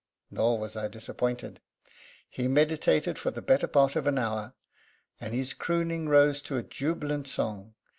Nor was I disappointed He meditated for the better part of an hour, and his crooning rose to a jubilant song.